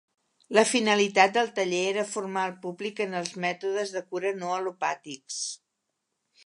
La finalitat del taller era formar el públic en els mètodes de cura no al·lopàtics.